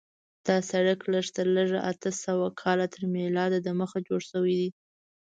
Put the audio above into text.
دا سړک لږ تر لږه اته سوه کاله تر میلاد دمخه جوړ شوی دی.